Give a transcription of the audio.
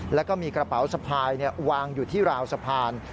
แล้วก็มีกระเป๋าสะพายวางอยู่ที่ราวสะพาน